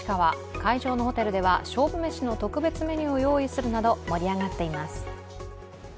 会場のホテルでは勝負めしの特別メニューを用意するなど盛り上がっています。